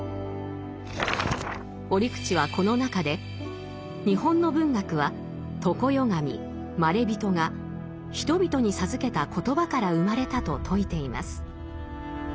折口はこの中で「日本の文学は常世神・まれびとが人々に授けた言葉から生まれた」と説いています。